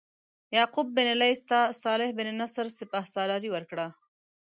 یعقوب بن لیث ته صالح بن نصر سپه سالاري ورکړه.